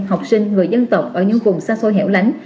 học sinh người dân tộc ở những vùng xa xôi hẻo lánh